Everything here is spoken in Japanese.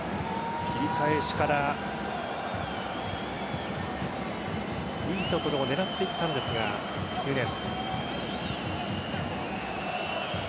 切り返しからいいところを狙っていったんですが、ヌニェス。